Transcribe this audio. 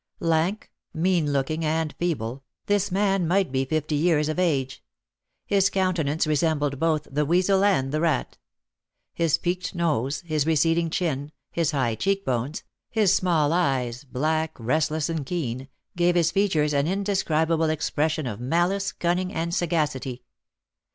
Lank, mean looking, and feeble, this man might be fifty years of age. His countenance resembled both the weasel and the rat; his peaked nose, his receding chin, his high cheek bones, his small eyes, black, restless, and keen, gave his features an indescribable expression of malice, cunning, and sagacity.